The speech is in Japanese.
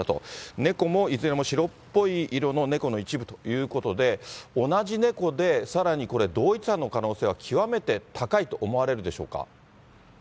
猫もいずれも白っぽい色の猫の一部ということで、同じ猫で、さらにこれ、同一犯の可能性は極めて高いと思われるでしょうか。